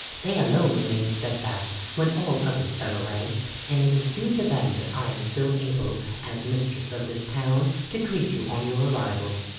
They alone remained steadfast when all others fell away, and it is due to them that I am still able, as mistress of this town, to greet you on your arrival.